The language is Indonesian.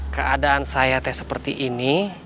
keadaan saya teh seperti ini